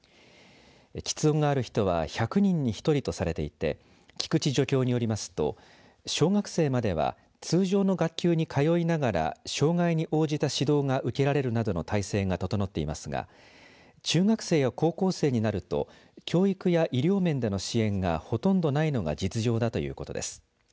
きつ音がある人は１００人に１人とされていて菊池助教によりますと小学生までは通常の学級に通いながら障害に応じた指導が受けられるなどの態勢が整っていますが中学生や高校生になると教育や医療面での支援がほとんどないのが実情だということです。